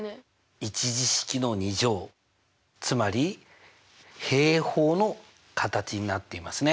１次式の２乗つまり平方の形になっていますね。